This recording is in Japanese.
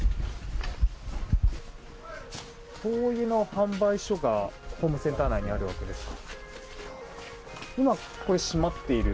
灯油の販売所がホームセンター内にあるわけですか。